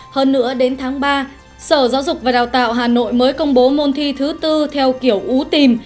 hơn nữa đến tháng ba sở giáo dục và đào tạo hà nội mới công bố môn thi thứ bốn theo kiểu ú tìm